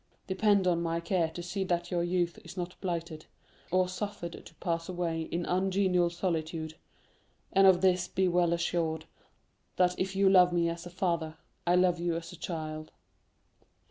Depend on my care to see that your youth is not blighted, or suffered to pass away in ungenial solitude; and of this be well assured, that if you love me as a father, I love you as a child."